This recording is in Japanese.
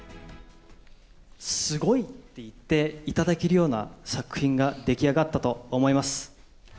すごいと言っていただけるような作品が出来上がったと思います。